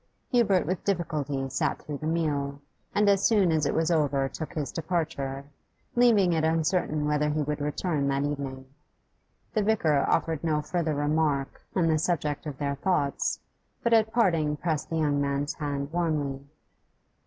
Hubert with difficulty sat through the meal, and as soon as it was over took his departure, leaving it uncertain whether he would return that evening. The vicar offered no further remark on the subject of their thoughts, but at parting pressed the young man's hand warmly.